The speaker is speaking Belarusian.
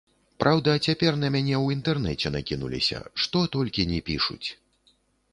Праўда, цяпер на мяне ў інтэрнэце накінуліся, што толькі ні пішуць!